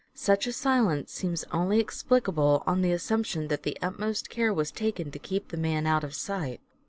Such a silence seems only explicable on the assumption that the utmost care was taken to keep the man out of sight.